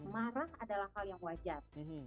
marah adalah hal yang wajar